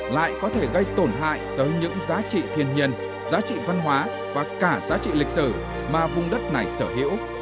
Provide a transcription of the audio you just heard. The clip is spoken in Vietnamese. lại có thể gây tổn hại tới những giá trị thiên nhiên giá trị văn hóa và cả giá trị lịch sử mà vùng đất này sở hữu